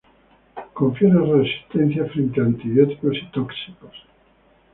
Confiere resistencia frente a antibióticos y tóxicos.